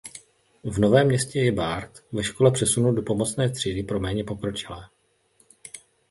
V novém městě je Bart ve škole přesunut do pomocné třídy pro méně pokročilé.